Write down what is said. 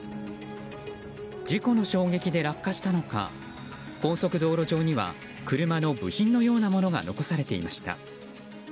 事故の衝撃で落下したのか高速道路上には車の部品のようなものが残されていました。